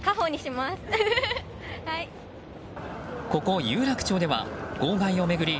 ここ有楽町では号外を巡り